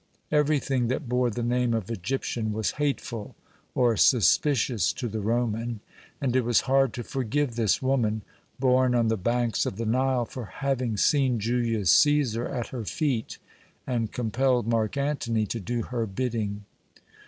Everything that bore the name of Egyptian was hateful or suspicious to the Roman, and it was hard to forgive this woman, born on the banks of the Nile, for having seen Julius Cæsar at her feet and compelled Mark Antony to do her bidding.